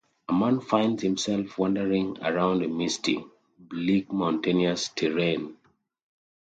A man finds himself wandering around a misty, bleak mountainous terrain.